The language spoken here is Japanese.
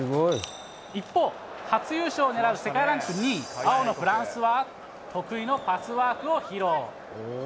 一方、初優勝を狙う世界ランク２位、青のフランスは得意のパスワークを披露。